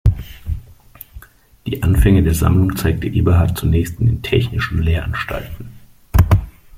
Die Anfänge der Sammlung zeigte Eberhardt zunächst in den "Technischen Lehranstalten".